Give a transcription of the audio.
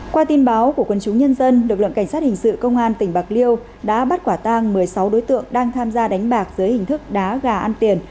qua tin báo của quân chúng nhân dân lực lượng cảnh sát hình sự công an tỉnh bạc liêu đã bắt quả tang một mươi sáu đối tượng đang tham gia đánh bạc dưới hình thức đá gà ăn tiền